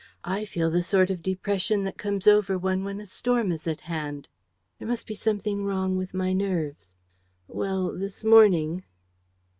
I feel the sort of depression that comes over one when a storm is at hand. There must be something wrong with my nerves. "Well, this morning.